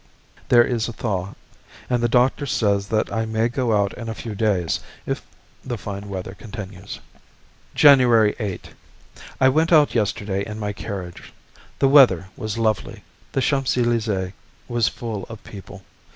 There is a thaw, and the doctor says that I may go out in a few days if the fine weather continues. January 8. I went out yesterday in my carriage. The weather was lovely. The Champs Elysées was full of people.